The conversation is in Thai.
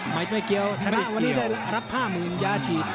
ไมค์ไม่เกียวถ้าหน้าวันนี้ได้รับ๕๐๐๐๐บาทยาชี